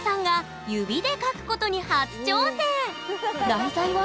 題材は？